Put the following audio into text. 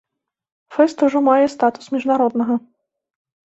Фэст ужо мае статус міжнароднага.